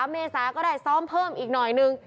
เมษาก็ได้ซ้อมเพิ่มอีกหน่อยนึง